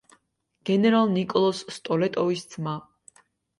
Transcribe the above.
გენერალ ნიკოლოზ სტოლეტოვის ძმა.